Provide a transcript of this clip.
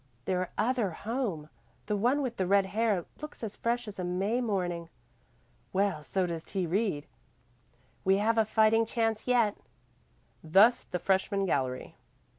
"Their other home the one with the red hair looks as fresh as a May morning." "Well, so does T. Reed." "We have a fighting chance yet." Thus the freshman gallery.